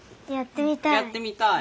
やってみたい！